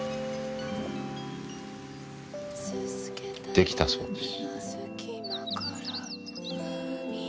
できたそうです。